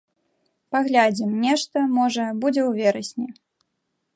Паглядзім, нешта, можа, будзе ў верасні.